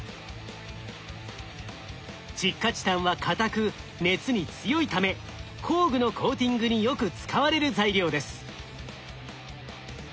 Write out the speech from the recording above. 窒化チタンは硬く熱に強いため工具のコーティングによく使われる材料です。